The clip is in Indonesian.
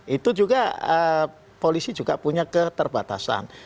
itu juga polisi juga punya keterbatasan